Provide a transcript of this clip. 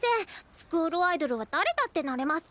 スクールアイドルは誰だってなれマス。